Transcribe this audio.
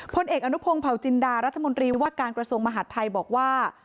พลเอกอนุพงศ์เผาจินดารัฐมนตรีว่าการกระทรวงมหาดไทยบอกว่า